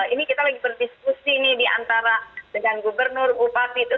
ini kita lagi berdiskusi nih di antara dengan gubernur upas itu